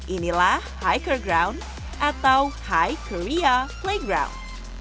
inilah hiker ground atau high korea playground